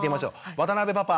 渡邊パパ！